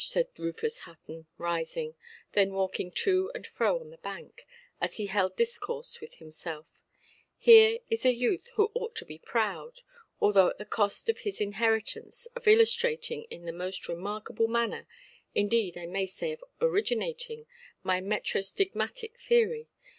said Rufus Hutton, rising, then walking to and fro on the bank, as he held discourse with himself; "here is a youth who ought to be proud, although at the cost of his inheritance, of illustrating, in the most remarkable manner, indeed I may say of originating, my metrostigmatic theory.